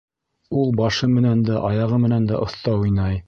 Ул башы менән дә, аяғы менән дә оҫта уйнай